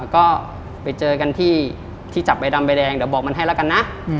ก็ไปเจอกันที่จับใบดำใบแดงเดี๋ยวบอกมันให้แล้วกันนะ